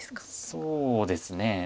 そうですね。